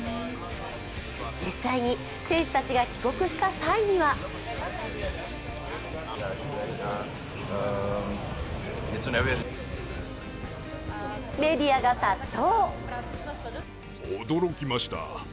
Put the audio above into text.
実際に選手たちが帰国した際にはメディアが殺到。